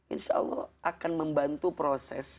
insya allah akan membantu proses